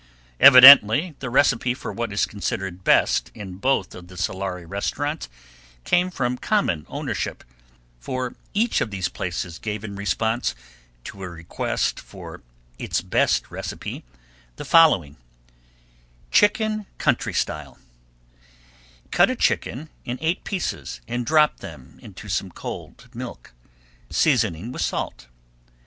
Evidently the recipe for what is considered best in both of the Solari restaurants came from common ownership, for each of these places gave in response to a request for its best recipe, the following: Chicken Country Style Cut a chicken in eight pieces and drop them into some cold milk, seasoning with salt.